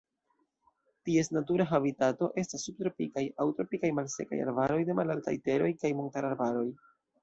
Ties natura habitato estas subtropikaj aŭ tropikaj malsekaj arbaroj de malaltaj teroj kaj montararbaroj.